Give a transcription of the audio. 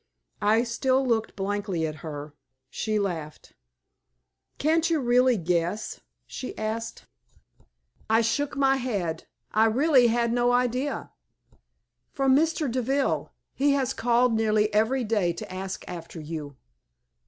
I still looked blankly at her. She laughed. "Can't you really guess?" she asked. I shook my head. I really had no idea. "From Mr. Deville. He has called nearly every day to ask after you."